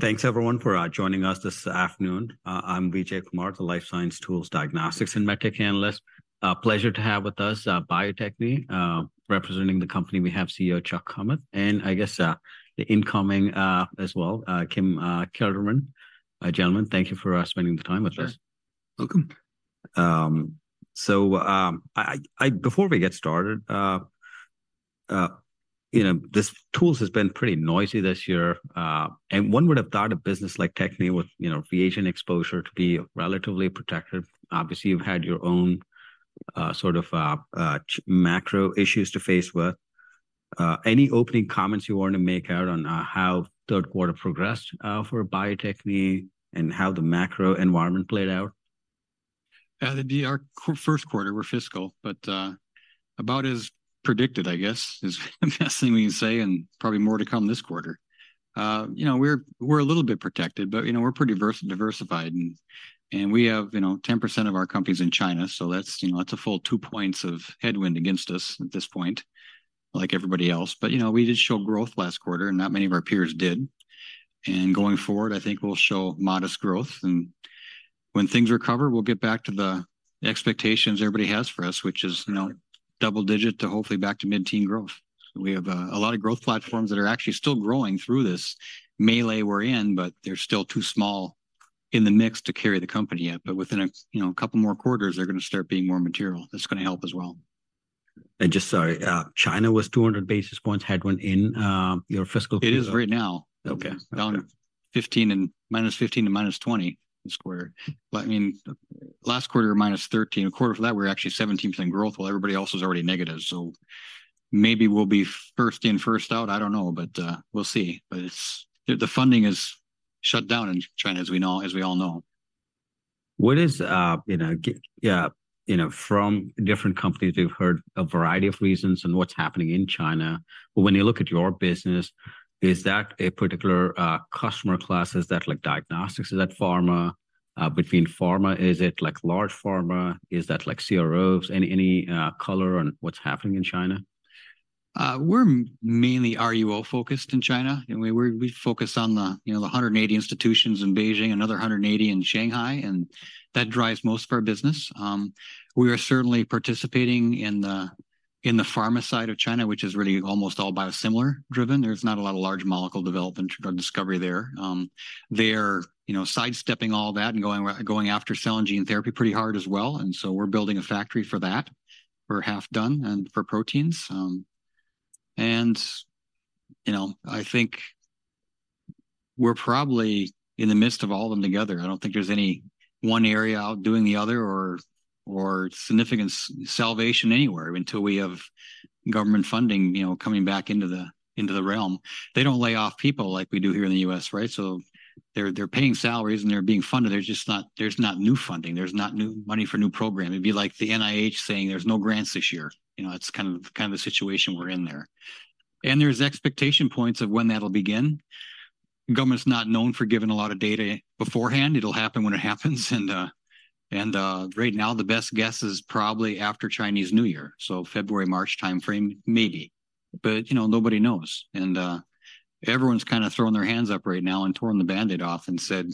Thanks everyone for joining us this afternoon. I'm Vijay Kumar, the life science tools, diagnostics, and medtech analyst. A pleasure to have with us Bio-Techne. Representing the company, we have CEO Chuck Kummeth, and I guess the incoming as well Kim Kelderman. Gentlemen, thank you for spending the time with us. Sure. Welcome. So, before we get started, you know, this tools has been pretty noisy this year. And one would have thought a business like Bio-Techne with, you know, reagent exposure to be relatively protected. Obviously, you've had your own, sort of, macro issues to face with. Any opening comments you want to make out on how third quarter progressed for Bio-Techne, and how the macro environment played out? It'd be our first quarter. We're fiscal, but about as predicted, I guess, is the best thing we can say, and probably more to come this quarter. You know, we're a little bit protected, but you know, we're pretty diversified, and we have, you know, 10% of our company's in China, so that's, you know, that's a full two points of headwind against us at this point, like everybody else. But you know, we did show growth last quarter, and not many of our peers did. And going forward, I think we'll show modest growth, and when things recover, we'll get back to the expectations everybody has for us, which is, you know, double-digit to hopefully back to mid-teen growth. We have a lot of growth platforms that are actually still growing through this melee we're in, but they're still too small in the mix to carry the company yet. But within a you know couple more quarters, they're gonna start being more material. That's gonna help as well. Just, sorry, China was 200 basis points headwind in your fiscal- It is right now. Okay. Down 15% and -15% to -20% this quarter. But I mean, last quarter, -13%. Quarter before that, we were actually 17% growth, while everybody else was already negative. So maybe we'll be first in, first out, I don't know, but we'll see. But it's... The funding is shut down in China, as we know, as we all know. What is, you know, from different companies, we've heard a variety of reasons on what's happening in China. But when you look at your business, is that a particular customer class? Is that like diagnostics, is that pharma? Between pharma, is it like large pharma, is that like CROs? Any, any color on what's happening in China? We're mainly RUO focused in China, and we focus on you know, the 180 institutions in Beijing, another 180 in Shanghai, and that drives most of our business. We are certainly participating in the pharma side of China, which is really almost all biosimilar driven. There's not a lot of large molecule development or discovery there. They're you know, sidestepping all that and going after cell and gene therapy pretty hard as well, and so we're building a factory for that. We're half done, and for proteins. And, you know, I think we're probably in the midst of all of them together. I don't think there's any one area outdoing the other or significant salvation anywhere, until we have government funding, you know, coming back into the realm. They don't lay off people like we do here in the U.S., right? So they're, they're paying salaries, and they're being funded. There's just not new funding. There's not new money for new programming. It'd be like the NIH saying, "There's no grants this year." You know, that's kind of, kind of the situation we're in there. And there's expectation points of when that'll begin. Government's not known for giving a lot of data beforehand. It'll happen when it happens. And, and, right now, the best guess is probably after Chinese New Year, so February, March timeframe, maybe. But, you know, nobody knows. And, everyone's kind of throwing their hands up right now and tearing the band-aid off and said,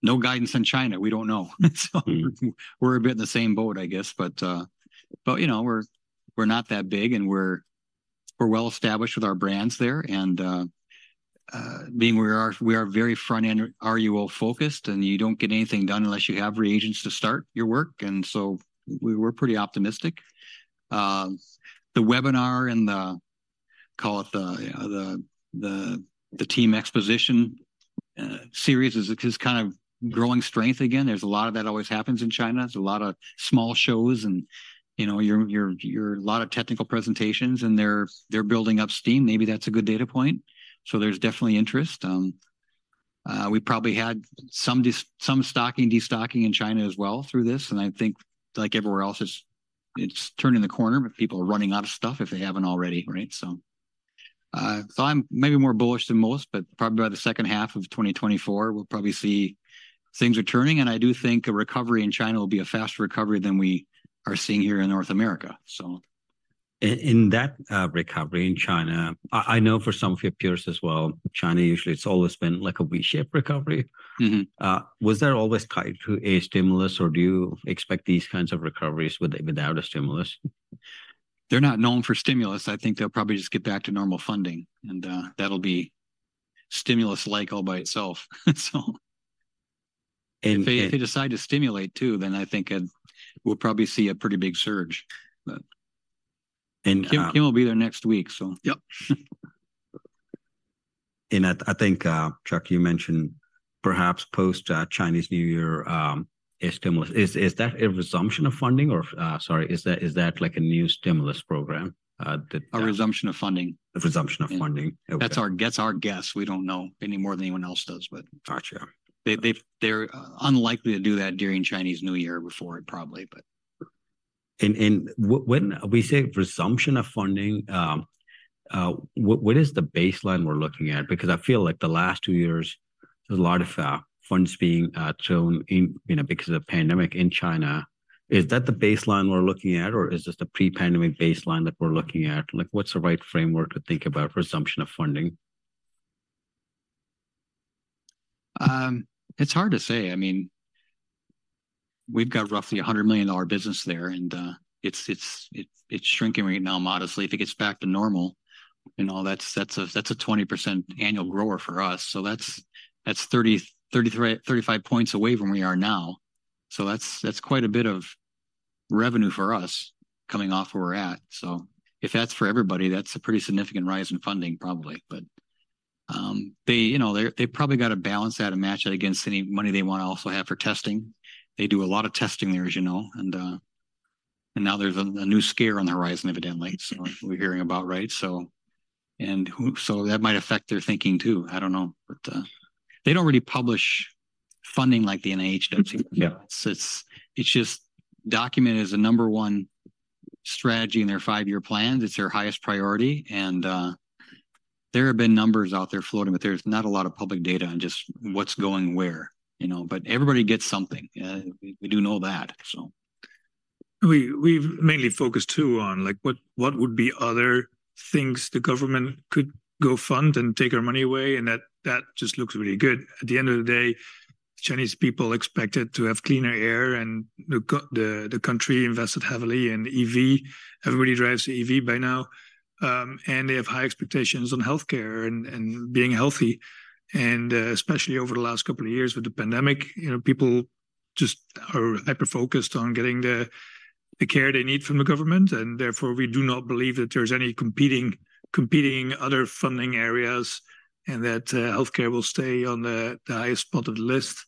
"No guidance in China. We don't know." So- Mm-hmm. We're a bit in the same boat, I guess, but, but you know, we're not that big, and we're well established with our brands there. And, being we are, we are very front-end RUO focused, and you don't get anything done unless you have reagents to start your work, and so we're pretty optimistic. The webinar and the, call it, the team exposition series is kind of growing strength again. There's a lot of that always happens in China. There's a lot of small shows, and, you know, a lot of technical presentations, and they're building up steam. Maybe that's a good data point. So there's definitely interest. We probably had some destocking in China as well through this, and I think, like everywhere else, it's turning the corner, but people are running out of stuff if they haven't already, right? So, I'm maybe more bullish than most, but probably by the second half of 2024, we'll probably see things are turning, and I do think a recovery in China will be a faster recovery than we are seeing here in North America, so. In that recovery in China, I know for some of your peers as well, China usually it's always been like a V-shaped recovery. Mm-hmm. Was that always tied to a stimulus, or do you expect these kinds of recoveries without a stimulus? They're not known for stimulus. I think they'll probably just get back to normal funding, and, that'll be stimulus-like all by itself. So- And, and- If they, if they decide to stimulate too, then I think, we'll probably see a pretty big surge, but... And, uh- Kim, Kim will be there next week, so- Yep. And I think, Chuck, you mentioned perhaps post Chinese New Year, a stimulus. Is that a resumption of funding or, sorry, is that like a new stimulus program? A resumption of funding. A resumption of funding. Yeah. Okay. That's our guess, our guess. We don't know any more than anyone else does, but- Gotcha. They're unlikely to do that during Chinese New Year or before it, probably, but. When we say resumption of funding, what is the baseline we're looking at? Because I feel like the last two years—there's a lot of funds being shown in, you know, because of the pandemic in China. Is that the baseline we're looking at, or is this the pre-pandemic baseline that we're looking at? Like, what's the right framework to think about resumption of funding? It's hard to say. I mean, we've got roughly a $100 million business there, and it's shrinking right now modestly. If it gets back to normal, you know, that's a 20% annual grower for us, so that's 30, 33, 35 points away from where we are now. So that's quite a bit of revenue for us coming off where we're at. So if that's for everybody, that's a pretty significant rise in funding, probably. But they, you know, they've probably got to balance that and match it against any money they want to also have for testing. They do a lot of testing there, as you know, and now there's a new scare on the horizon, evidently- Mm We're hearing about, right? So, that might affect their thinking, too. I don't know. But, they don't really publish funding like the NIH does. Yeah. It's just documented as a number one strategy in their five-year plan. It's their highest priority, and there have been numbers out there floating, but there's not a lot of public data on just what's going where, you know? But everybody gets something. We do know that, so. We've mainly focused, too, on, like, what would be other things the government could go fund and take our money away, and that just looks really good. At the end of the day, Chinese people expected to have cleaner air, and the country invested heavily in EV. Everybody drives an EV by now. And they have high expectations on healthcare and being healthy. And especially over the last couple of years with the pandemic, you know, people just are hyper-focused on getting the care they need from the government, and therefore, we do not believe that there's any competing other funding areas, and that healthcare will stay on the highest spot of the list,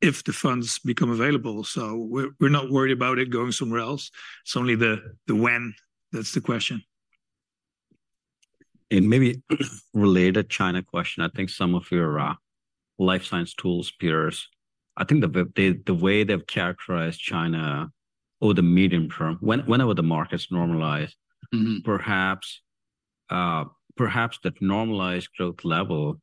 if the funds become available. So we're not worried about it going somewhere else. It's only the when that's the question. Maybe related China question, I think some of your life science tools peers, I think the way they've characterized China over the medium term, whenever the market's normalized- Mm-hmm... perhaps, perhaps the normalized growth level,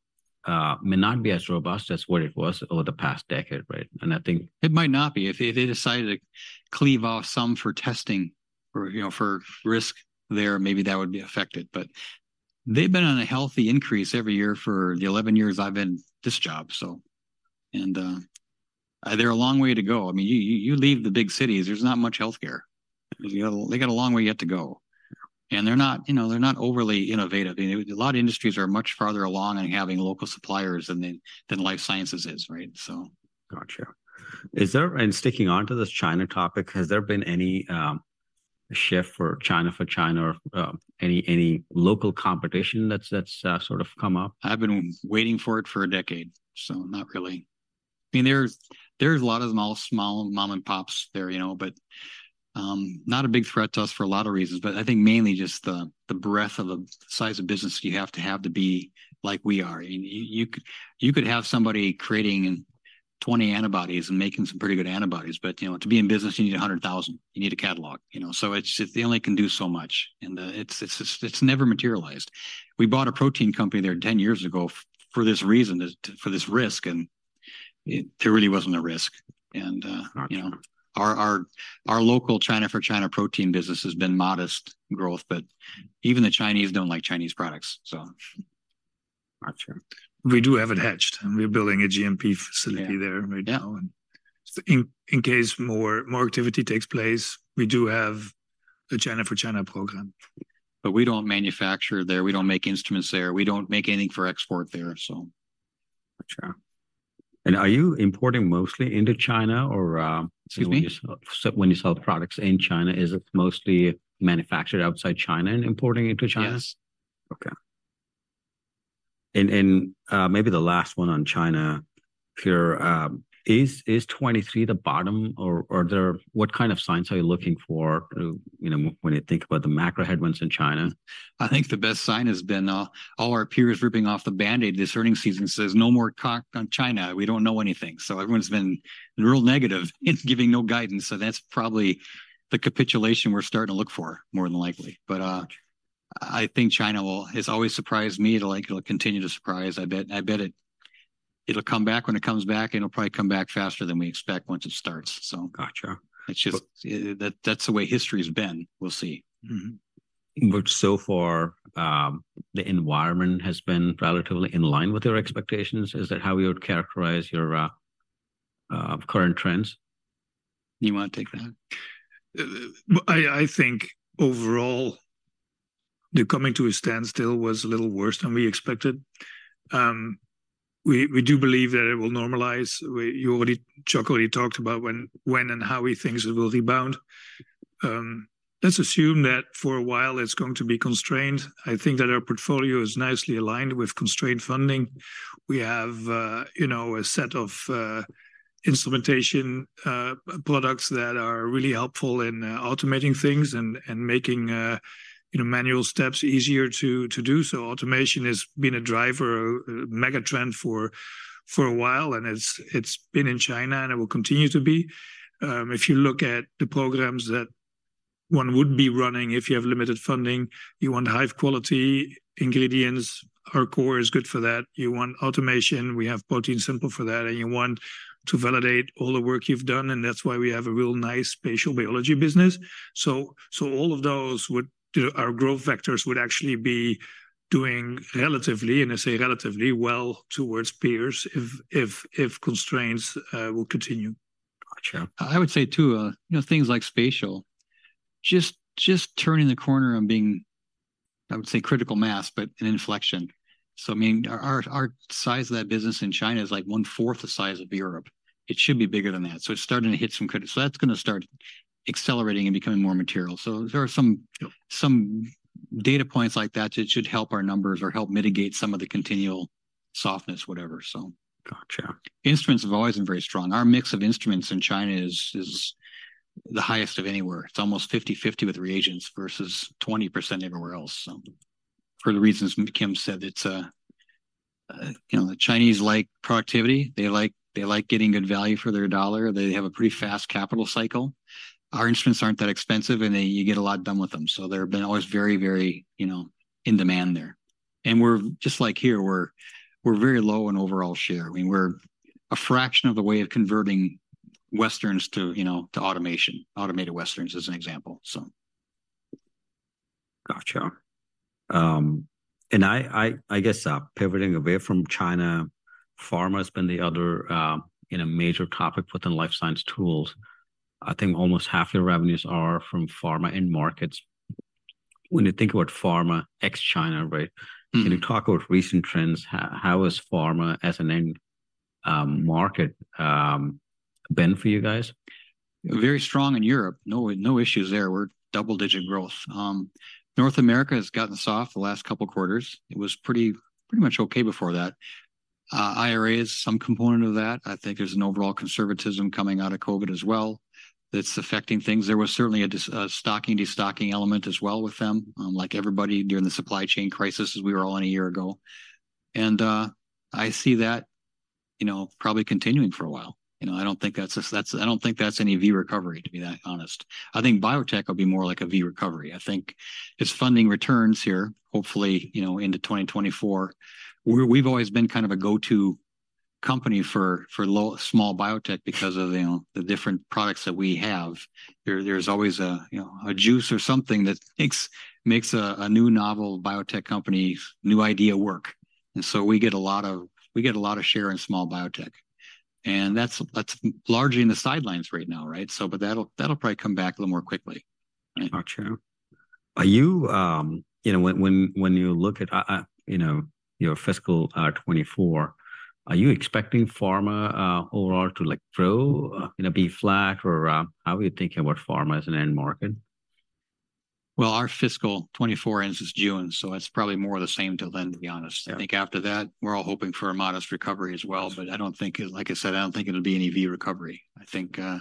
may not be as robust as what it was over the past decade, right? And I think- It might not be. If they decided to cleave off some for testing or, you know, for risk there, maybe that would be affected. But they've been on a healthy increase every year for the 11 years I've been in this job, so... And they're a long way to go. I mean, you leave the big cities, there's not much healthcare. You know, they got a long way yet to go. And they're not, you know, they're not overly innovative. You know, a lot of industries are much farther along in having local suppliers than the, than life sciences is, right? So. Gotcha. Is there... And sticking on to this China topic, has there been any shift for China, for China or any local competition that's sort of come up? I've been waiting for it for a decade, so not really. I mean, there's a lot of small, small mom and pops there, you know, but not a big threat to us for a lot of reasons. But I think mainly just the breadth of the size of business you have to have to be like we are. I mean, you could have somebody creating 20 antibodies and making some pretty good antibodies, but, you know, to be in business, you need 100,000. You need a catalogue, you know, so it's they only can do so much, and it's never materialized. We bought a protein company there 10 years ago for this reason, this, for this risk, and it there really wasn't a risk. And- Gotcha... you know, our local China for China protein business has been modest growth, but even the Chinese don't like Chinese products, so. Gotcha. We do have it hedged, and we're building a GMP facility- Yeah... there right now. Yeah. In case more activity takes place, we do have a China for China program. We don't manufacture there, we don't make instruments there, we don't make anything for export there, so. Gotcha. Are you importing mostly into China or? Excuse me? When you sell, when you sell products in China, is it mostly manufactured outside China and importing into China? Yes. Okay. Maybe the last one on China here. Is 2023 the bottom, or are there—what kind of signs are you looking for, you know, when you think about the macro headwinds in China? I think the best sign has been all our peers ripping off the Band-Aid this earnings season says, "No more talk on China. We don't know anything." So everyone's been real negative in giving no guidance, so that's probably the capitulation we're starting to look for, more than likely. But I think China will. It's always surprised me, and like, it'll continue to surprise. I bet, I bet it, it'll come back when it comes back, and it'll probably come back faster than we expect once it starts, so. Gotcha. It's just that's the way history has been. We'll see. Mm-hmm. But so far, the environment has been relatively in line with your expectations. Is that how you would characterize your current trends? You want to take that? Well, I think overall, the coming to a standstill was a little worse than we expected. We do believe that it will normalize. You already, Chuck already talked about when and how we think it will rebound. Let's assume that for a while, it's going to be constrained. I think that our portfolio is nicely aligned with constrained funding. We have, you know, a set of instrumentation products that are really helpful in automating things and making, you know, manual steps easier to do. So automation has been a driver, a megatrend for a while, and it's been in China, and it will continue to be. If you look at the programs that one would be running if you have limited funding. You want high-quality ingredients; our core is good for that. You want automation, we have ProteinSimple for that. And you want to validate all the work you've done, and that's why we have a real nice Spatial Biology business. So, so all of those would, you know, our growth vectors would actually be doing relatively, and I say relatively well towards peers if constraints will continue. Gotcha. I would say, too, you know, things like spatial, just turning the corner and being, I would say, critical mass, but an inflection. So I mean, our size of that business in China is like 1/4 the size of Europe. It should be bigger than that. So it's starting to hit some critical— So that's gonna start accelerating and becoming more material. So there are some data points like that, that should help our numbers or help mitigate some of the continual softness, whatever, so. Gotcha. Instruments have always been very strong. Our mix of instruments in China is the highest of anywhere. It's almost 50/50 with reagents versus 20% everywhere else. So for the reasons Kim said, it's, you know, the Chinese like productivity, they like, they like getting good value for their dollar. They have a pretty fast capital cycle. Our instruments aren't that expensive, and they, you get a lot done with them, so they've been always very, very, you know, in demand there. And we're just like here, we're very low on overall share. I mean, we're a fraction of the way of converting Westerns to, you know, to automation. Automated Westerns, as an example, so. Gotcha. And I guess, pivoting away from China, pharma has been the other, you know, major topic within life science tools. I think almost half your revenues are from pharma end markets. When you think about pharma ex China, right, can you talk about recent trends? How has pharma as an end market been for you guys? Very strong in Europe. No, no issues there. We're double-digit growth. North America has gotten soft the last couple quarters. It was pretty, pretty much okay before that. IRA is some component of that. I think there's an overall conservatism coming out of COVID as well that's affecting things. There was certainly a destocking element as well with them, like everybody during the supply chain crisis as we were all in a year ago. I see that, you know, probably continuing for a while. You know, I don't think that's any V recovery, to be that honest. I think biotech will be more like a V recovery. I think as funding returns here, hopefully, you know, into 2024, we've always been kind of a go-to company for small biotech because of, you know, the different products that we have. There's always a, you know, a juice or something that makes a new novel biotech company's new idea work, and so we get a lot of share in small biotech, and that's largely in the sidelines right now, right? But that'll probably come back a little more quickly, right? Gotcha. You know, when you look at your fiscal 2024, are you expecting pharma overall to, like, grow, you know, be flat or how are you thinking about pharma as an end market? Well, our fiscal 2024 ends this June, so it's probably more of the same till then, to be honest. Yeah. I think after that, we're all hoping for a modest recovery as well, but I don't think, like I said, I don't think it'll be any V recovery. I think, I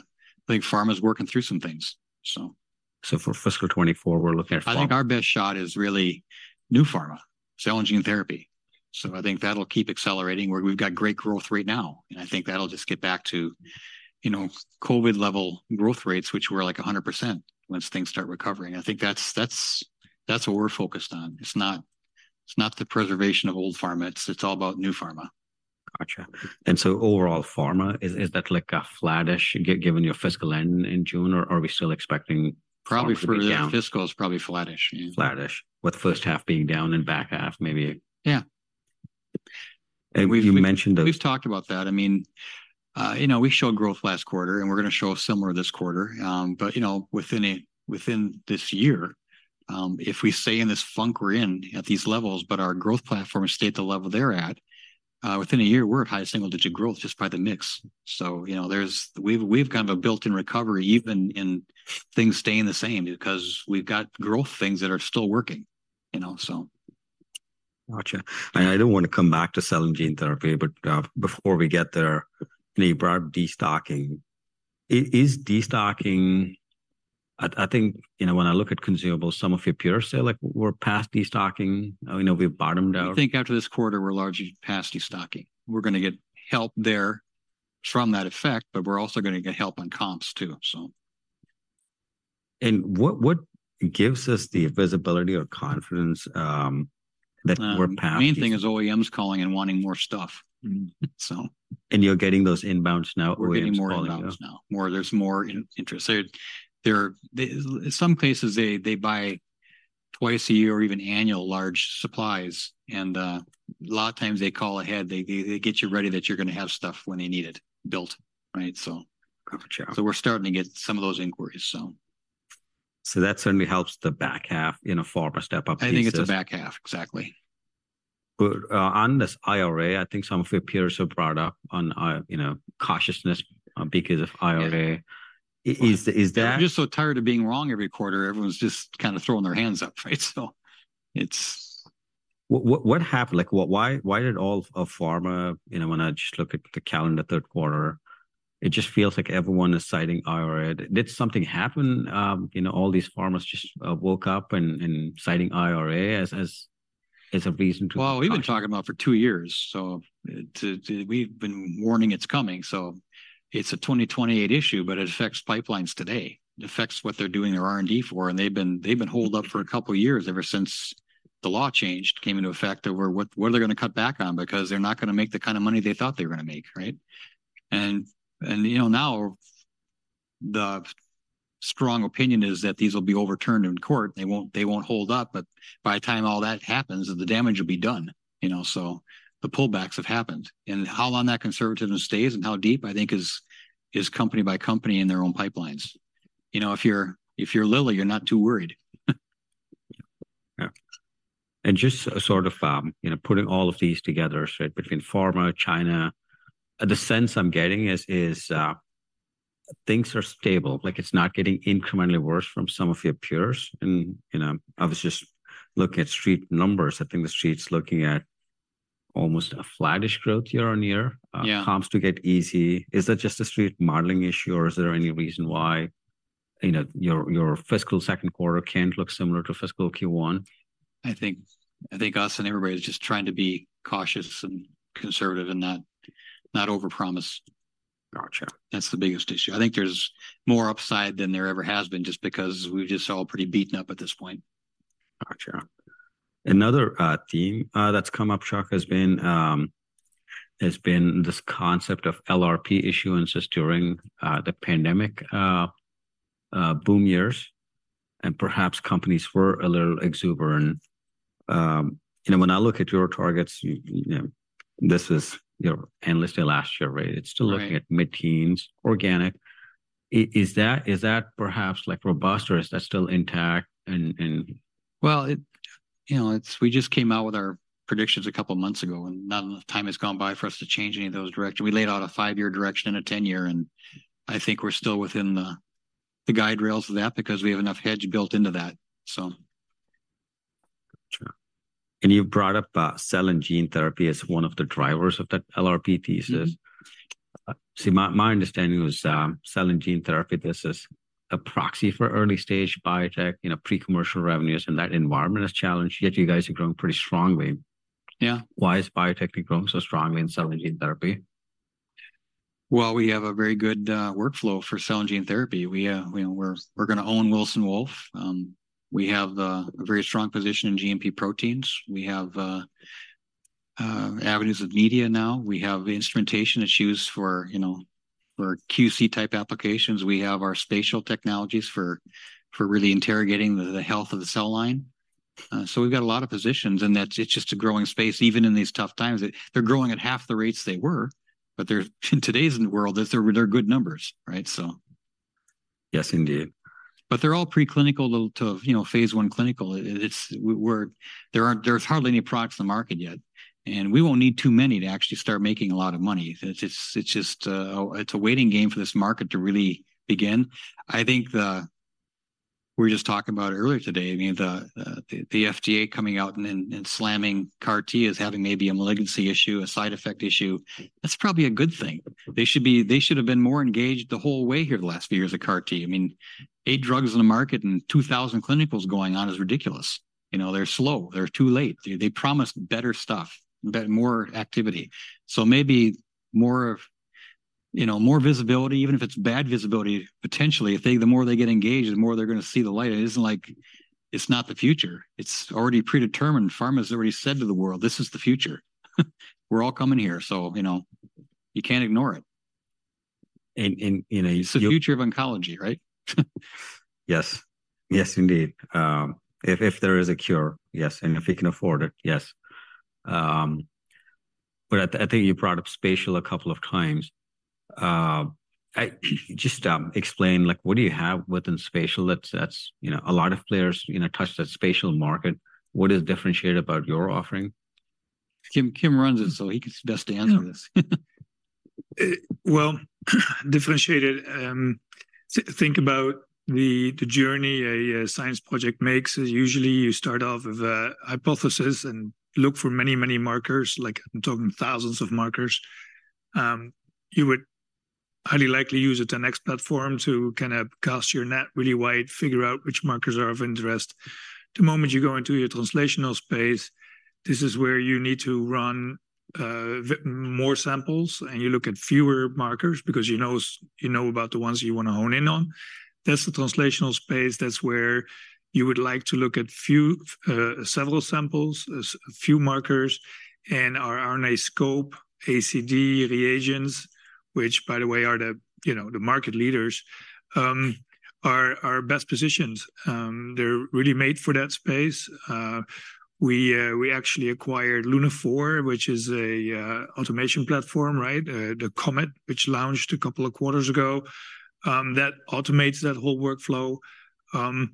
think pharma's working through some things, so. So for fiscal 2024, we're looking at pharma- I think our best shot is really new pharma, cell and gene therapy. So I think that'll keep accelerating. We've got great growth right now, and I think that'll just get back to, you know, COVID level growth rates, which were like 100%, once things start recovering. I think that's what we're focused on. It's not the preservation of old pharma. It's all about new pharma. Gotcha. And so overall pharma, is that like a flattish given your fiscal end in June, or are we still expecting- Probably for- To be down.... fiscal, it's probably flattish, yeah. Flattish, with the first half being down and back half, maybe? Yeah. You mentioned that- We've talked about that. I mean, you know, we showed growth last quarter, and we're gonna show similar this quarter. But, you know, within this year, if we stay in this funk we're in at these levels, but our growth platform stay at the level they're at, within a year, we're at high single-digit growth just by the mix. So, you know, there's... We've kind of a built-in recovery even in things staying the same because we've got growth, things that are still working, you know, so. Gotcha. And I don't want to come back to cell and gene therapy, but before we get there, you brought destocking. Is destocking... I think, you know, when I look at consumables, some of your peers say, like, "We're past destocking," you know, "We've bottomed out. I think after this quarter, we're largely past destocking. We're gonna get help there from that effect, but we're also gonna get help on comps too, so. What gives us the visibility or confidence that we're past- Main thing is OEMs calling and wanting more stuff, so. You're getting those inbounds now, OEMs calling now? We're getting more inbounds now. More, there's more interest. So there are in some cases, they, they buy twice a year or even annual large supplies, and a lot of times they call ahead. They, they, they get you ready that you're gonna have stuff when they need it built, right? So. Gotcha. We're starting to get some of those inquiries, so. So that certainly helps the back half in a pharma step up, I think- I think it's the back half, exactly. Good. On this IRA, I think some of your peers have brought up on, you know, cautiousness, because of IRA. Yeah. Is that- They're just so tired of being wrong every quarter, everyone's just kind of throwing their hands up, right? So it's- What happened? Like, what, why did all of pharma... You know, when I just look at the calendar, third quarter, it just feels like everyone is citing IRA. Did something happen? You know, all these pharmas just woke up and citing IRA as is a reason to- Well, we've been talking about for two years, so—we've been warning it's coming. So it's a 2028 issue, but it affects pipelines today. It affects what they're doing their R&D for, and they've been holed up for a couple of years ever since the law changed, came into effect, over what they're gonna cut back on, because they're not gonna make the kind of money they thought they were gonna make, right? And, you know, now the strong opinion is that these will be overturned in court, and they won't hold up. But by the time all that happens, the damage will be done, you know, so the pullbacks have happened. And how long that conservatism stays and how deep, I think is company by company in their own pipelines. You know, if you're Lilly, you're not too worried. Yeah. And just sort of, you know, putting all of these together, so between pharma, China, the sense I'm getting is things are stable, like it's not getting incrementally worse from some of your peers. And, you know, I was just looking at street numbers. I think the street's looking at almost a flattish growth year-over-year. Yeah. Comps to get easy. Is that just a street modeling issue, or is there any reason why, you know, your, your fiscal second quarter can't look similar to fiscal Q1? I think us and everybody is just trying to be cautious and conservative and not overpromise. Gotcha. That's the biggest issue. I think there's more upside than there ever has been, just because we're just all pretty beaten up at this point. Gotcha. Another theme that's come up, Chuck, has been this concept of LRP issuances during the pandemic boom years, and perhaps companies were a little exuberant. You know, when I look at your targets, you know, this is, you know, endlessly last year, right? Right. It's still looking at mid-teens, organic. Is, is that, is that perhaps, like, robust, or is that still intact and, and- Well, you know, we just came out with our predictions a couple of months ago, and not enough time has gone by for us to change any of those directions. We laid out a 5-year direction and a 10-year, and I think we're still within the guide rails of that because we have enough hedge built into that, so... Gotcha. And you've brought up cell and gene therapy as one of the drivers of that LRP thesis. Mm-hmm. See, my understanding was, cell and gene therapy, this is a proxy for early-stage biotech, you know, pre-commercial revenues, and that environment is challenged, yet you guys are growing pretty strongly. Yeah. Why is biotech growing so strongly in cell and gene therapy? Well, we have a very good workflow for cell and gene therapy. We, you know, we're, we're gonna own Wilson Wolf. We have a very strong position in GMP proteins. We have avenues of media now. We have the instrumentation that's used for, you know, for QC-type applications. We have our spatial technologies for really interrogating the health of the cell line. So we've got a lot of positions, and that's—it's just a growing space, even in these tough times. They're growing at half the rates they were, but they're—in today's world, they're good numbers, right? So... Yes, indeed. But they're all preclinical to, you know, phase one clinical. It's, we're—there aren't, there's hardly any products in the market yet, and we won't need too many to actually start making a lot of money. It's, it's, it's just, it's a waiting game for this market to really begin. I think the... We were just talking about it earlier today, I mean, the, the FDA coming out and then, and slamming CAR-T as having maybe a malignancy issue, a side effect issue, that's probably a good thing. They should be, they should have been more engaged the whole way here the last few years of CAR-T. I mean, eight drugs on the market and 2,000 clinicals going on is ridiculous. You know, they're slow, they're too late. They, they promised better stuff, but more activity. So maybe more, you know, more visibility, even if it's bad visibility, potentially. I think the more they get engaged, the more they're gonna see the light. It isn't like it's not the future. It's already predetermined. Pharma has already said to the world, "This is the future. We're all coming here," so, you know, you can't ignore it. You know, so- It's the future of oncology, right? Yes. Yes, indeed. If there is a cure, yes, and if we can afford it, yes. But I think you brought up spatial a couple of times. Just explain, like, what do you have within spatial that's... You know, a lot of players, you know, touch that spatial market. What is differentiated about your offering? Kim, Kim runs it, so he's best to answer this. Well, differentiated, think about the journey a science project makes. Usually, you start off with a hypothesis and look for many, many markers, like, I'm talking thousands of markers. You would highly likely use a 10x platform to kind of cast your net really wide, figure out which markers are of interest. The moment you go into your translational space, this is where you need to run more samples, and you look at fewer markers because you know, you know about the ones you want to hone in on. That's the translational space. That's where you would like to look at few, several samples, a few markers, and our RNAscope, ACD reagents, which, by the way, are the, you know, the market leaders, are best positioned. They're really made for that space. We actually acquired Lunaphore, which is an automation platform, right? The COMET, which launched a couple of quarters ago, that automates that whole workflow. And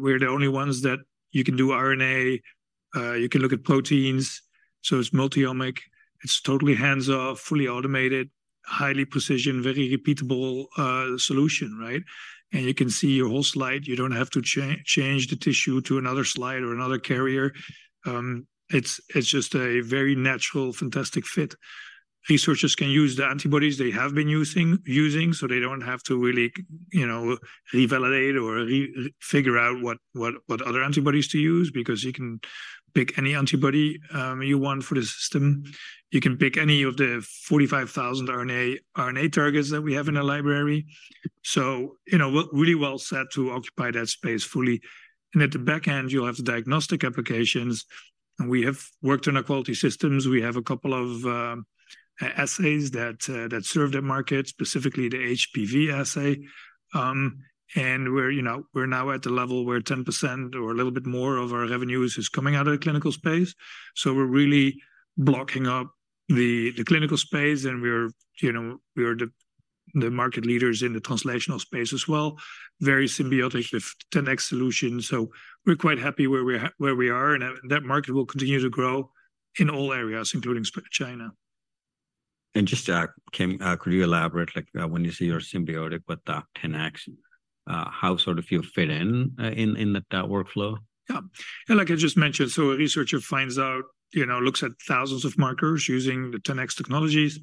we're the only ones that you can do RNA, you can look at proteins, so it's multi-omic, it's totally hands-off, fully automated, highly precise, very repeatable solution, right? And you can see your whole slide. You don't have to change the tissue to another slide or another carrier. It's just a very natural, fantastic fit. Researchers can use the antibodies they have been using, so they don't have to really, you know, refigure out what other antibodies to use, because you can pick any antibody you want for the system. You can pick any of the 45,000 RNA targets that we have in our library. So, you know, we're really well set to occupy that space fully. And at the back end, you'll have the diagnostic applications, and we have worked on our quality systems. We have a couple of assays that serve that market, specifically the HPV Assay. And we're, you know, we're now at the level where 10% or a little bit more of our revenues is coming out of the clinical space. So we're really blocking up the clinical space, and we're, you know, we are the market leaders in the translational space as well. Very symbiotic with 10x solutions, so we're quite happy where we are, and that market will continue to grow in all areas, including China. Just, Kim, could you elaborate, like, when you say you're symbiotic with the 10x, how sort of you fit in in that workflow? Yeah. And like I just mentioned, so a researcher finds out, you know, looks at thousands of markers using the 10x technologies,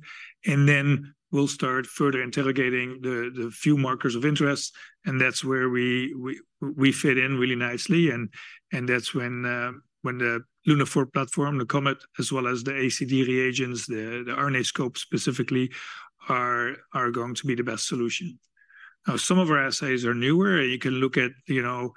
and then we'll start further interrogating the, the few markers of interest, and that's where we, we, we fit in really nicely, and, and that's when, when the Lunaphore platform, the COMET, as well as the ACD reagents, the, the RNAscope specifically, are, are going to be the best solution. Now, some of our assays are newer. You can look at, you know,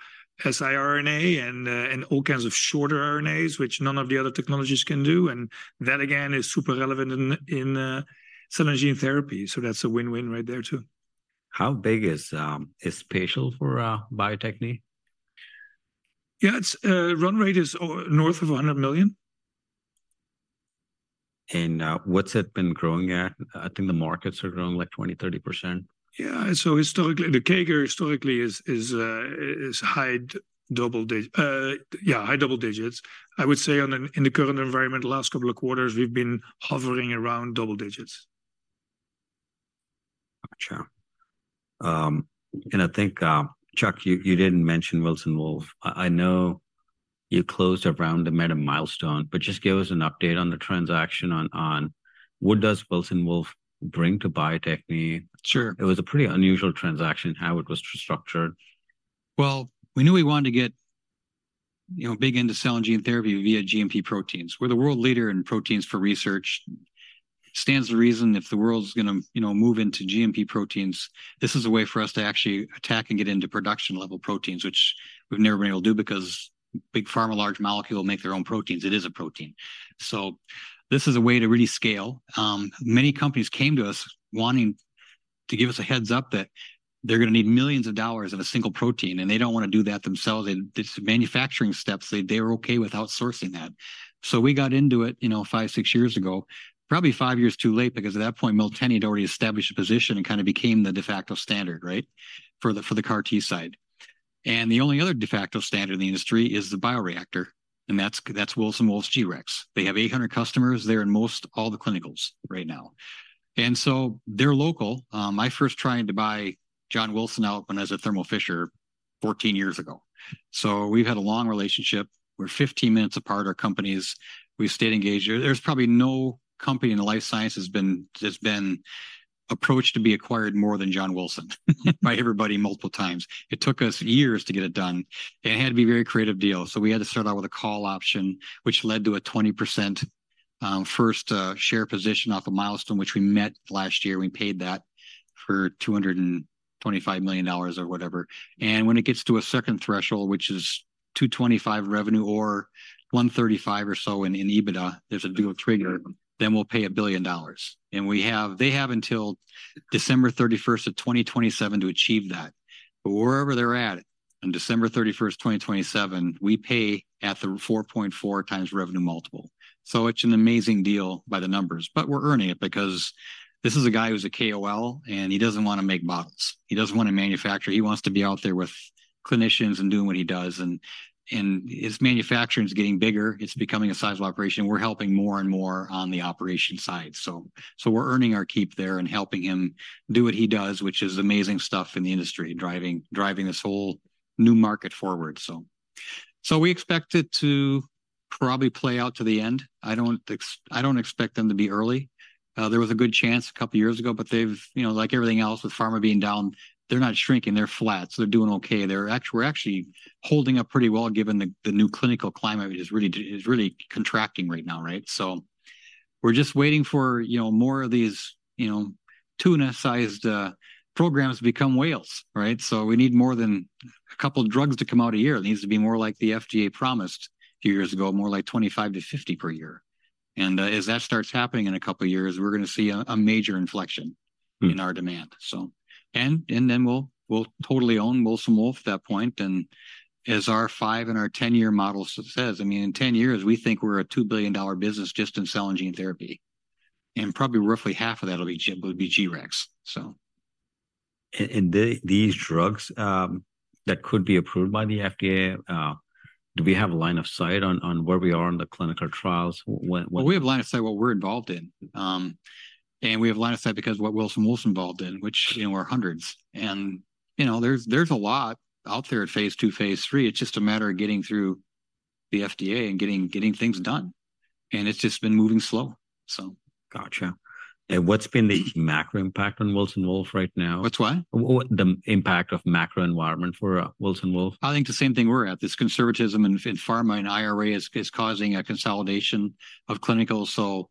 siRNAs and, and all kinds of shorter RNAs, which none of the other technologies can do, and that, again, is super relevant in, in, cell and gene therapy, so that's a win-win right there, too. How big is spatial for Bio-Techne? Yeah, it's run rate is north of $100 million. What's it been growing at? I think the markets are growing, like, 20%-30%. Yeah. So historically, the CAGR historically is high double digits. I would say in the current environment, the last couple of quarters, we've been hovering around double digits. Gotcha. And I think, Chuck, you didn't mention Wilson Wolf. I know you closed a round and met a milestone, but just give us an update on the transaction on what does Wilson Wolf bring to Bio-Techne? Sure. It was a pretty unusual transaction, how it was structured. Well, we knew we wanted to get, you know, big into cell and gene therapy via GMP proteins. We're the world leader in proteins for research. Stands to reason, if the world's gonna, you know, move into GMP proteins, this is a way for us to actually attack and get into production-level proteins, which we've never been able to do because big pharma, large molecule, make their own proteins. It is a protein. So this is a way to really scale. Many companies came to us wanting to give us a heads-up that they're gonna need $ millions of a single protein, and they don't wanna do that themselves. And it's manufacturing steps, they, they were okay with outsourcing that. So we got into it, you know, five, six years ago, probably five years too late, because at that point, Miltenyi had already established a position and kind of became the de facto standard, right? For the CAR-T side. The only other de facto standard in the industry is the bioreactor, and that's Wilson Wolf's G-Rex. They have 800 customers. They're in most all the clinicals right now. So they're local. I first tried to buy John Wilson out when I was at Thermo Fisher 14 years ago. So we've had a long relationship. We're 15 minutes apart, our companies. We've stayed engaged. There's probably no company in the life science that's been approached to be acquired more than John Wilson, by everybody multiple times. It took us years to get it done. It had to be a very creative deal, so we had to start out with a call option, which led to a 20% first share position off a milestone, which we met last year. We paid that for $225 million or whatever. When it gets to a second threshold, which is $225 million revenue or $135 million or so in EBITDA, there's a dual trigger, then we'll pay $1 billion. They have until December 31, 2027 to achieve that. But wherever they're at on December 31, 2027, we pay at the 4.4x revenue multiple. So it's an amazing deal by the numbers, but we're earning it because this is a guy who's a KOL, and he doesn't wanna make bottles. He doesn't wanna manufacture. He wants to be out there with clinicians and doing what he does, and his manufacturing is getting bigger. It's becoming a sizable operation. We're helping more and more on the operation side. So, we're earning our keep there and helping him do what he does, which is amazing stuff in the industry, driving this whole new market forward, so. So we expect it to probably play out to the end. I don't expect them to be early. There was a good chance a couple of years ago, but they've, you know, like everything else, with pharma being down, they're not shrinking, they're flat, so they're doing okay. We're actually holding up pretty well, given the new clinical climate, which is really contracting right now, right? So we're just waiting for, you know, more of these, you know, tuna-sized programs to become whales, right? So we need more than a couple of drugs to come out a year. It needs to be more like the FDA promised a few years ago, more like 25-50 per year. And, as that starts happening in a couple of years, we're gonna see a major inflection- Mm... in our demand. So, and then we'll totally own Wilson Wolf at that point, and as our five and 10-year model says, I mean, in 10 years, we think we're a $2 billion business just in cell and gene therapy, and probably roughly half of that will be G-Rex, so. And these drugs that could be approved by the FDA, do we have a line of sight on where we are in the clinical trials? When- Well, we have a line of sight what we're involved in. And we have a line of sight because what Wilson Wolf's involved in, which, you know, are hundreds. And, you know, there's a lot out there at phase II, phase III. It's just a matter of getting through the FDA and getting things done, and it's just been moving slow, so. Gotcha. What's been the macro impact on Wilson Wolf right now? What's what? is the impact of the macro environment for Wilson Wolf? I think the same thing we're at, this conservatism in pharma and IRA is causing a consolidation of clinical. So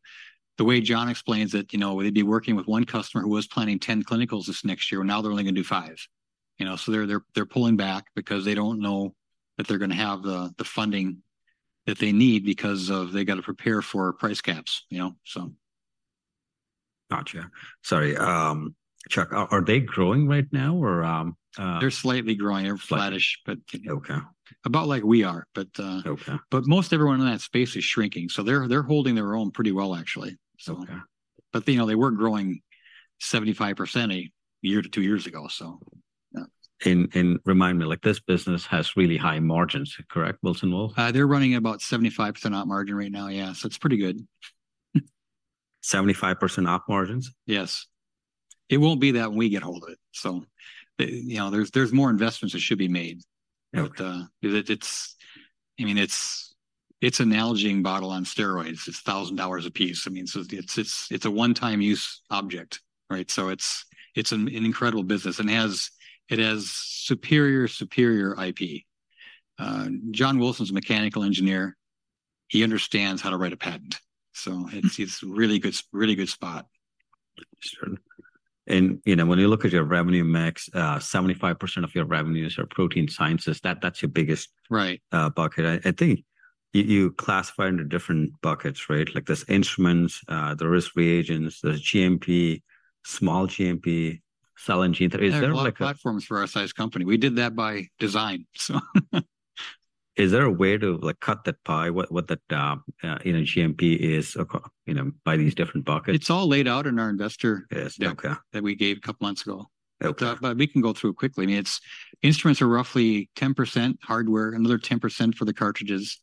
the way John explains it, you know, they'd be working with one customer who was planning 10 clinicals this next year, now they're only gonna do five. You know, so they're pulling back because they don't know if they're gonna have the funding that they need because of they've got to prepare for price caps, you know? So. Gotcha. Sorry, Chuck, are they growing right now, or- They're slightly growing. They're flattish, but- Okay. About like we are, but, Okay. Most everyone in that space is shrinking, so they're holding their own pretty well, actually, so. Okay. But, you know, they were growing 75% a year to two years ago, so yeah. And, remind me, like, this business has really high margins, correct, Wilson Wolf? They're running about 75% op margin right now. Yeah, so it's pretty good. 75% op margins? Yes. It won't be that when we get hold of it, so, you know, there's, there's more investments that should be made. Okay. But, it, it's—I mean, it's an aliquoting bottle on steroids. It's $1,000 a piece. I mean, so it's a one-time use object, right? So it's an incredible business, and it has superior IP. John Wilson's a mechanical engineer; he understands how to write a patent, so it's really good spot. Sure. You know, when you look at your revenue mix, 75% of your revenues are protein sciences. That, that's your biggest- Right... bucket. I think you classify it into different buckets, right? Like, there's instruments, there is reagents, there's GMP, small GMP, cell and gene therapy. Is there like a- There are a lot of platforms for our size company. We did that by design, so Is there a way to, like, cut that pie, what that GMP is, you know, by these different buckets? It's all laid out in our investor- Yes. Okay... deck that we gave a couple months ago. Okay. But we can go through it quickly. I mean, its instruments are roughly 10% hardware, another 10% for the cartridges.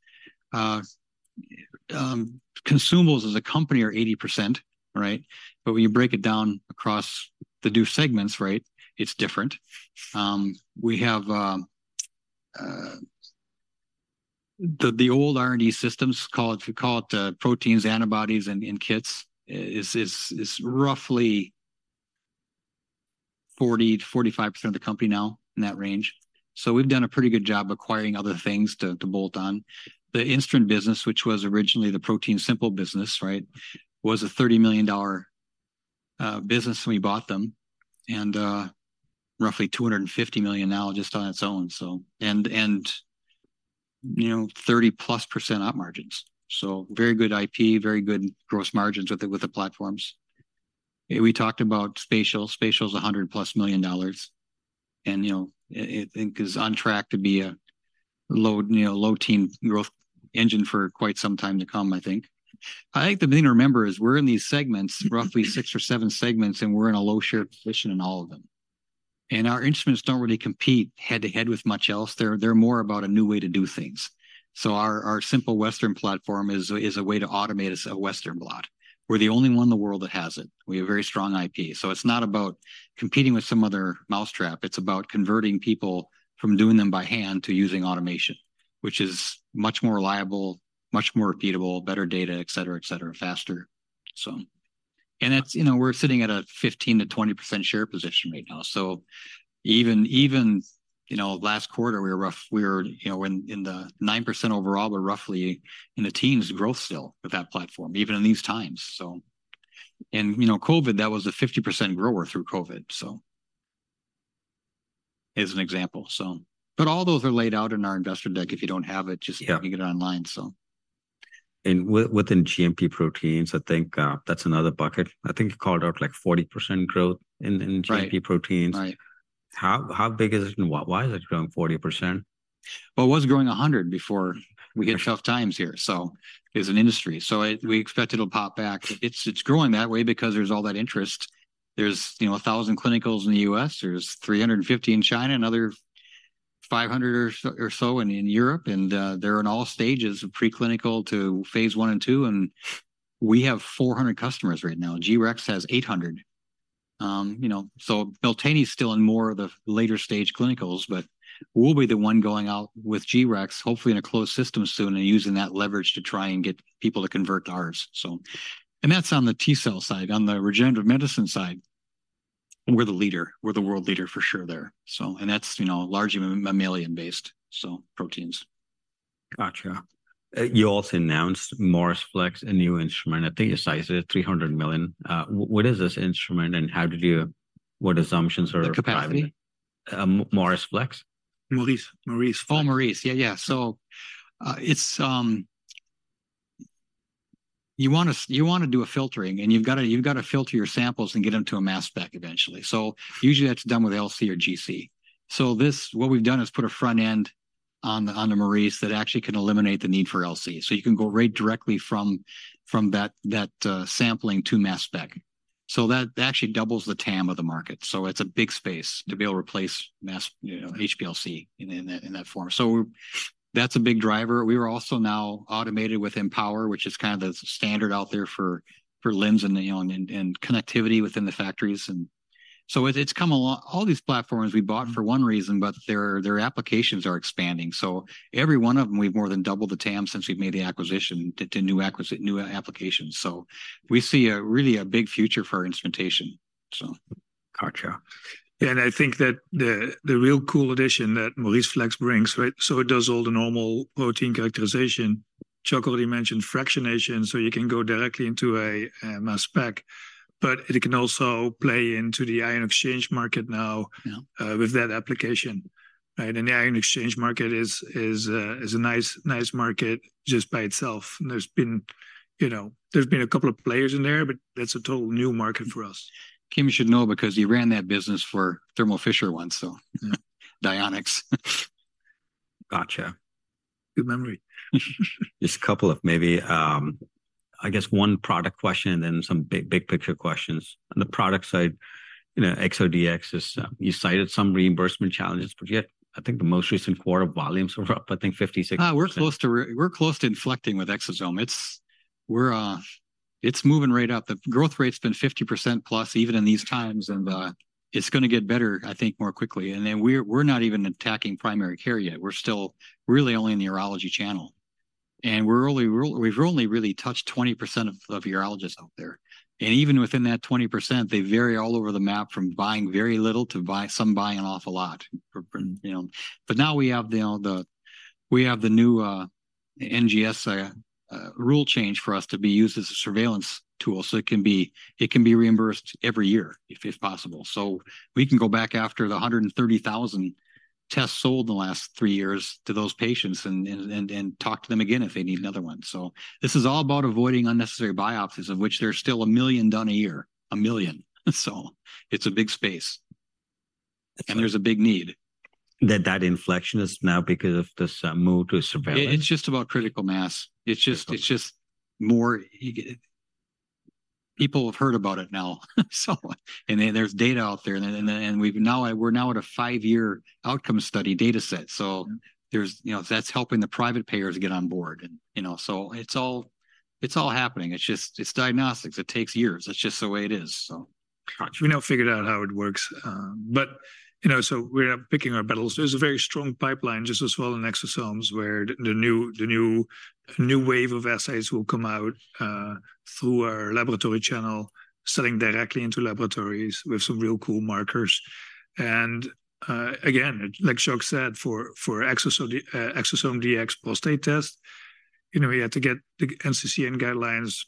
Consumables as a company are 80%, right? But when you break it down across the new segments, right, it's different. We have the old R&D Systems, call it, we call it proteins, antibodies, and kits. It's roughly 40%-45% of the company now, in that range. So we've done a pretty good job acquiring other things to build on. The instrument business, which was originally the ProteinSimple business, right, was a $30 million business when we bought them, and roughly $250 million now just on its own, so. And you know, 30%+ op margins. So very good IP, very good gross margins with the platforms. And we talked about spatial. Spatial is $100+ million, and, you know, it I think, is on track to be a low, you know, low-teen growth engine for quite some time to come, I think. I think the thing to remember is we're in these segments, roughly six or seven segments, and we're in a low share position in all of them. And our instruments don't really compete head-to-head with much else, they're more about a new way to do things. So our Simple Western platform is a way to automate a Western Blot. We're the only one in the world that has it. We have very strong IP. So it's not about competing with some other mousetrap, it's about converting people from doing them by hand to using automation, which is much more reliable, much more repeatable, better data, et cetera, et cetera, faster. So... And it's, you know, we're sitting at a 15%-20% share position right now. So even, you know, last quarter, we were roughly, you know, in the 9% overall, but roughly in the teens growth still with that platform, even in these times, so. And, you know, COVID, that was a 50% grower through COVID, so, as an example, so. But all those are laid out in our investor deck. If you don't have it, just- Yeah... you can get it online, so. Within GMP proteins, I think, that's another bucket. I think you called out, like, 40% growth in, in- Right... GMP proteins. Right. How big is it, and why is it growing 40%? Well, it was growing 100 before we hit rough times here, so as an industry. So it—we expect it'll pop back. It's, it's growing that way because there's all that interest. There's, you know, 1,000 clinicals in the U.S., there's 350 in China, another 500 or so or so in Europe, and they're in all stages of preclinical to phase I and II, and we have 400 customers right now. G-Rex has 800. You know, so Miltenyi is still in more of the later-stage clinicals, but we'll be the one going out with G-Rex, hopefully in a closed system soon, and using that leverage to try and get people to convert to ours, so. And that's on the T cell side. On the regenerative medicine side, we're the leader, we're the world leader for sure there, so. And that's, you know, largely mammalian based, so proteins. Gotcha. You also announced MauriceFlex a new instrument. I think the size is $300 million. What is this instrument, and what assumptions are- The capacity? MauriceFlex. Oh, Maurice. Yeah, yeah. So, it's... You wanna do a filtering, and you've gotta filter your samples and get them to a mass spec eventually. So usually, that's done with LC or GC. So this, what we've done is put a front end on the Maurice that actually can eliminate the need for LC. So you can go right directly from that sampling to mass spec.... So that, that actually doubles the TAM of the market, so it's a big space to be able to replace mass, you know, HPLC in, in that, in that form. So that's a big driver. We are also now automated with Empower, which is kind of the standard out there for LIMS and, you know, connectivity within the factories. And so it's come a long, all these platforms we bought for one reason, but their applications are expanding. So every one of them, we've more than doubled the TAM since we've made the acquisition to new applications. So we see a really big future for our instrumentation, so. Gotcha. And I think that the real cool addition that MauriceFlex brings, right? So it does all the normal protein characterization. Chuck already mentioned fractionation, so you can go directly into a mass spec, but it can also play into the ion exchange market now- Yeah... with that application, right? And the ion exchange market is a nice, nice market just by itself. And there's been, you know, there's been a couple of players in there, but that's a total new market for us. Kim should know because he ran that business for Thermo Fisher once, so Dionex. Gotcha. Good memory. Just a couple of maybe, I guess, one product question and then some big, big picture questions. On the product side, you know, ExoDx is. You cited some reimbursement challenges, but yet I think the most recent quarter volumes were up, I think 50%-60%. We're close to inflecting with exosome. It's moving right up. The growth rate's been 50%+, even in these times, and it's going to get better, I think, more quickly. And then we're not even attacking primary care yet. We're still really only in the urology channel, and we've only really touched 20% of urologists out there. And even within that 20%, they vary all over the map from buying very little to some buying an awful lot, you know. But now we have the new NGS rule change for us to be used as a surveillance tool, so it can be reimbursed every year, if possible. We can go back after the 130,000 tests sold in the last three years to those patients and talk to them again if they need another one. So this is all about avoiding unnecessary biopsies, of which there are still 1 million done a year, 1 million. So it's a big space, and there's a big need. That inflection is now because of this move to surveillance? It's just about critical mass. Critical. It's just more. People have heard about it now, so. And there's data out there, and then, and we're now at a five-year outcome study dataset. So there's, you know, that's helping the private payers get on board and, you know, so it's all, it's all happening. It's just diagnostics. It takes years. That's just the way it is, so. We now figured out how it works, but, you know, so we're picking our battles. There's a very strong pipeline just as well in exosomes, where the new wave of assays will come out through our laboratory channel, selling directly into laboratories with some real cool markers. And, again, like Chuck said, for ExoDx prostate test, you know, we had to get the NCCN guidelines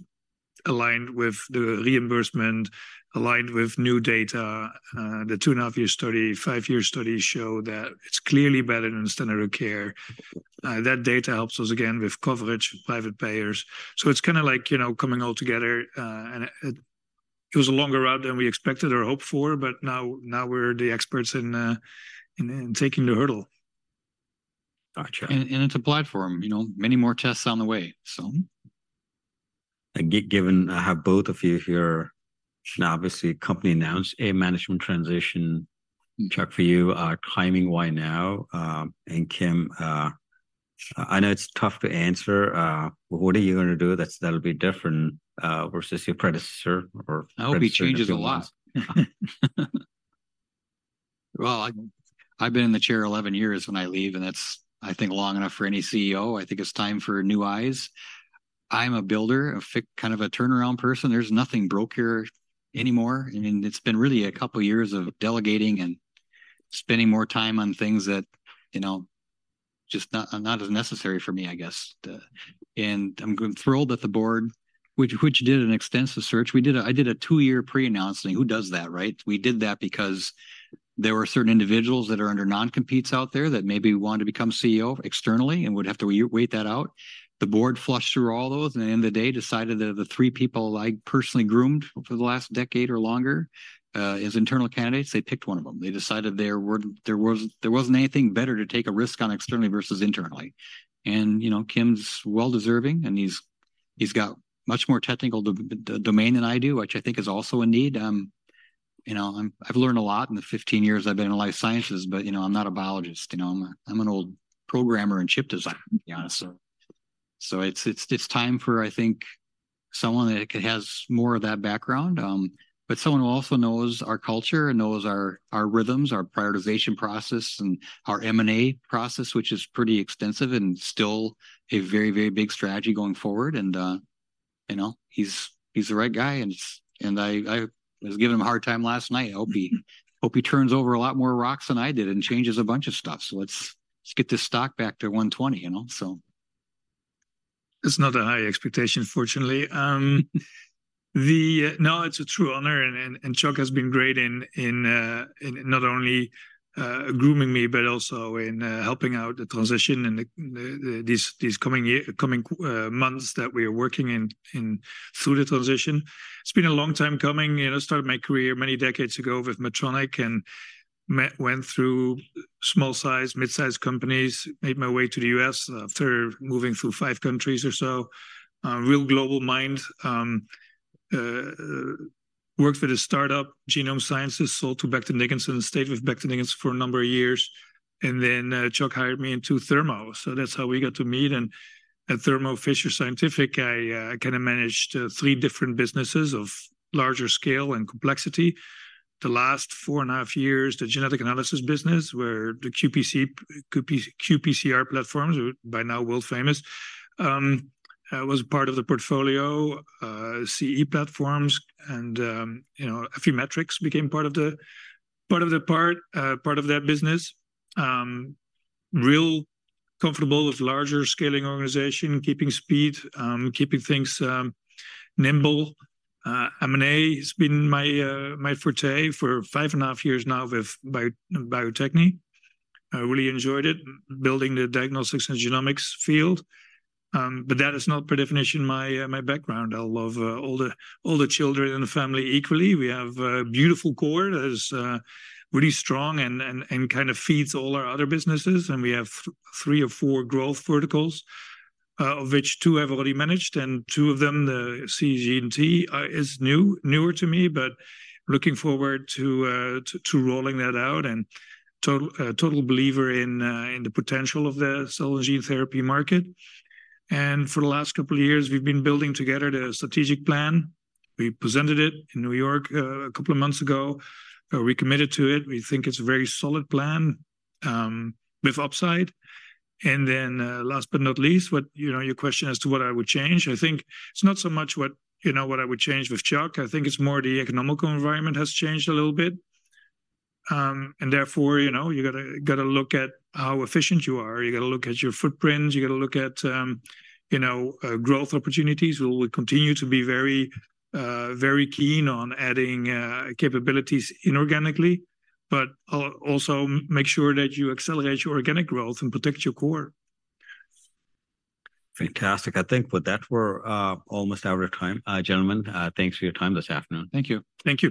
aligned with the reimbursement, aligned with new data. The 2.5-year study, 5-year study show that it's clearly better than standard of care. That data helps us again with coverage with private payers. So it's kind of like, you know, coming all together, and it was a longer route than we expected or hoped for, but now we're the experts in taking the hurdle. Gotcha. And it's a platform, you know, many more tests on the way, so. Given I have both of you here, obviously, company announced a management transition. Chuck, for you, timing, why now? And Kim, I know it's tough to answer, but what are you going to do that's, that'll be different, versus your predecessor or predecessor- I hope he changes a lot. Well, I've been in the chair 11 years when I leave, and that's, I think, long enough for any CEO. I think it's time for new eyes. I'm a builder, a kind of a turnaround person. There's nothing broke here anymore. I mean, it's been really a couple of years of delegating and spending more time on things that, you know, just not as necessary for me, I guess. And I'm thrilled that the board, which did an extensive search. I did a 2-year pre-announcing. Who does that, right? We did that because there were certain individuals that are under non-competes out there that maybe wanted to become CEO externally and would have to wait that out. The board fleshed through all those, and at the end of the day, decided that the three people I personally groomed for the last decade or longer as internal candidates, they picked one of them. They decided there wasn't anything better to take a risk on externally versus internally. And, you know, Kim's well-deserving, and he's got much more technical domain than I do, which I think is also a need. You know, I've learned a lot in the 15 years I've been in life sciences, but, you know, I'm not a biologist. You know, I'm a, I'm an old programmer and chip designer, to be honest. So it's time for, I think, someone that has more of that background, but someone who also knows our culture and knows our rhythms, our prioritization process, and our M&A process, which is pretty extensive and still a very, very big strategy going forward. And, you know, he's the right guy, and I was giving him a hard time last night. I hope he turns over a lot more rocks than I did and changes a bunch of stuff. So let's get this stock back to $120, you know, so. It's not a high expectation, fortunately. No, it's a true honor, and Chuck has been great in not only grooming me, but also in helping out the transition and these coming months that we are working through the transition. It's been a long time coming. You know, I started my career many decades ago with Medtronic and went through small-sized, mid-sized companies, made my way to the U.S. after moving through five countries or so. Real global mind. Worked for the startup GeneOhm Sciences, sold to Becton Dickinson, stayed with Becton Dickinson for a number of years, and then Chuck hired me into Thermo. So that's how we got to meet, and at Thermo Fisher Scientific, I kind of managed three different businesses of larger scale and complexity. The last four and a half years, the genetic analysis business, where the qPCR platforms are by now world-famous, was part of the portfolio, CE platforms, and, you know, Affymetrix became part of that business. Real comfortable with larger scaling organization, keeping speed, keeping things nimble. M&A has been my forte for five and a half years now with Bio-Techne. I really enjoyed it, building the diagnostics and genomics field. But that is not per definition my background. I love all the children in the family equally. We have a beautiful core that is really strong and kind of feeds all our other businesses, and we have three or four growth verticals, of which two I've already managed, and two of them, the CGT, is new, newer to me, but looking forward to rolling that out and total believer in the potential of the cell and gene therapy market. For the last couple of years, we've been building together the strategic plan. We presented it in New York a couple of months ago. We committed to it. We think it's a very solid plan with upside. Last but not least, what, you know, your question as to what I would change, I think it's not so much what, you know, what I would change with Chuck. I think it's more the economic environment has changed a little bit. Therefore, you know, you gotta look at how efficient you are. You gotta look at your footprint, you gotta look at, you know, growth opportunities, where we continue to be very, very keen on adding capabilities inorganically, but also make sure that you accelerate your organic growth and protect your core. Fantastic. I think with that, we're almost out of time. Gentlemen, thanks for your time this afternoon. Thank you. Thank you.